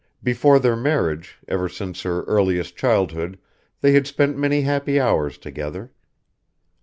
Before their marriage, ever since her earliest childhood they had spent many happy hours together.